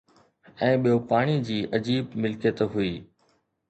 ۽ ٻيو پاڻي جي عجيب ملڪيت هئي